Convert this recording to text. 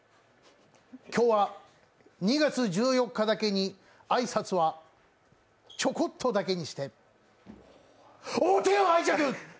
今日は２月１４日だけに挨拶はチョコっとだけにしてお手を拝借！